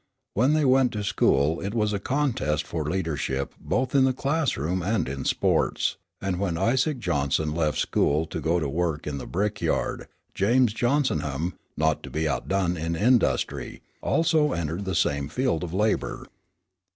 When they went to school it was a contest for leadership both in the classroom and in sports, and when Isaac Johnson left school to go to work in the brickyard, James Johnsonham, not to be outdone in industry, also entered the same field of labor.